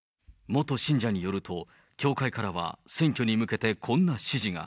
元信者によると教会からは選挙に向けてこんな指示が。